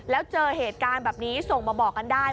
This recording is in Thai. แล้วเจอเหตุการณ์แบบนี้ส่งมาบอกกันได้